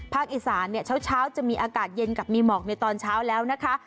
อีสานเนี่ยเช้าจะมีอากาศเย็นกับมีหมอกในตอนเช้าแล้วนะคะ